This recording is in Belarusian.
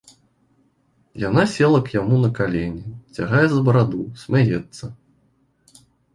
Яна села к яму на калені, цягае за бараду, смяецца.